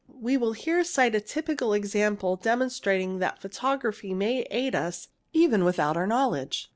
We will here cite a typical example demonstrating that photography 'May aid us even without our knowledge.